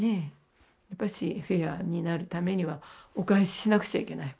やっぱしフェアになるためにはお返ししなくちゃいけない。